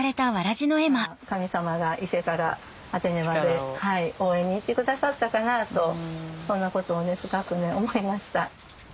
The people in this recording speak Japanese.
神様が伊勢からアテネまで応援に行ってくださったかなとそんなことを深く思いました。